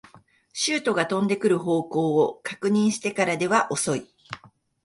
シュートが飛んでくる方向を確認してからでは遅い